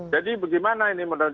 jadi bagaimana ini menurutnya